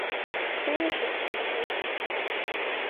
— Кӧ эше тыланда полшен?